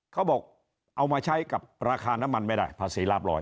เขาบอกเอามาใช้กับราคาน้ำมันไม่ได้ภาษีลาบร้อย